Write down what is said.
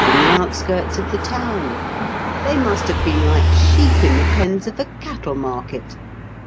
in the out skirts of the town ! They must have been like sheep in the pens of a cattle market.